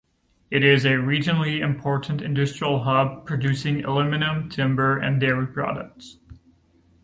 It is a regionally important industrial hub, producing aluminium, timber and dairy products.